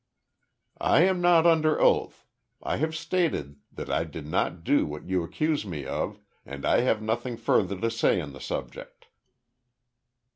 "I am not under oath. I have stated that I did not do what you accuse me of, and I have nothing further to say on the subject."